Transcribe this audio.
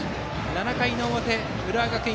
７回の表、浦和学院